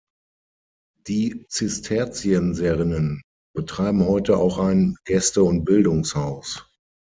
Die Zisterzienserinnen betreiben heute auch ein Gäste- und Bildungshaus.